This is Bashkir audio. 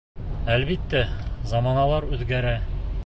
Әлбиттә, заманалар үҙгәрә.